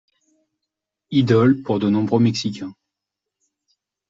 Idole pour de nombreux mexicains.